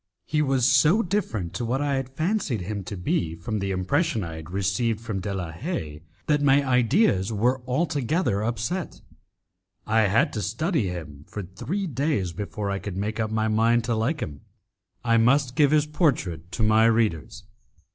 He was so different to what I had fancied him to be from the impression I had received from De la Haye, that my ideas were altogether upset. I had to study him; for three days before I could make up my mind to like him. I must give his portrait to my readers.